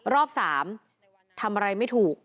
รอบ๓ทำอะไรไม่ถูก